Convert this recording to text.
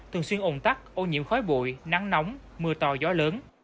thường xuyên ồn tắc ô nhiễm khói bụi nắng nóng mưa to gió lớn